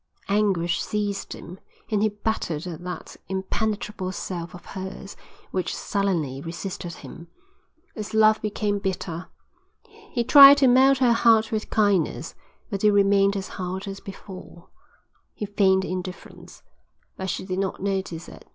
Anguish seized him and he battered at that impenetrable self of hers which sullenly resisted him. His love became bitter. He tried to melt her heart with kindness, but it remained as hard as before; he feigned indifference, but she did not notice it.